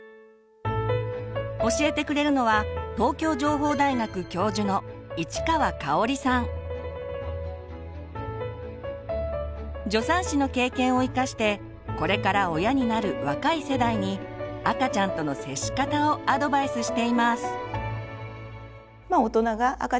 教えてくれるのは助産師の経験を生かしてこれから親になる若い世代に赤ちゃんとの接し方をアドバイスしています。